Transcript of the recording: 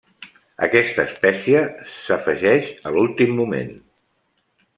Aquesta espècia s'afegeix a l'últim moment.